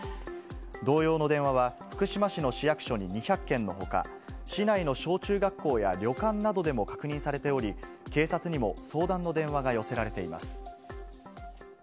同様の電話は福島市の市役所に２００件のほか、市内の小中学校や旅館などでも確認されており、警察にも相談の電話が寄せられています。